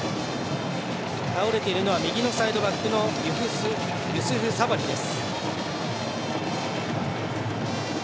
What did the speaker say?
倒れているのは右のサイドバックのユスフ・サバリです。